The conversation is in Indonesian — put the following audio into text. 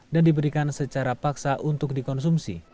dan diberikan secara paksa untuk dikonsumsi